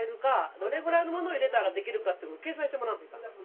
どれぐらいのものを入れたらできるかってことを計算してもらわんといかん。